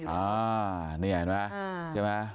อ่านี่เห็นมั้ยใช่มั้ย